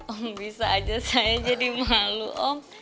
om bisa aja saya jadi malu om